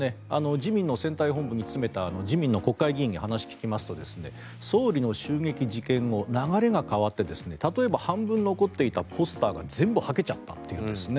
自民の選対本部に詰めた自民の国会議員に話を聞きますと総理の襲撃事件後流れが変わって例えば、半分残っていたポスターが全部はけちゃったというんですね。